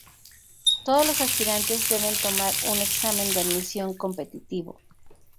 Todos los aspirantes deben tomar un examen de admisión competitivo.